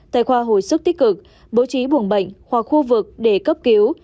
tại khoa hồi sức tích cực bố trí buồng bệnh hoặc khu vực để cấp cứu